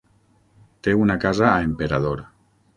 Té una casa a Emperador.